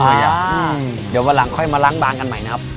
เดี๋ยววันหลังค่อยมาล้างบางกันใหม่นะครับ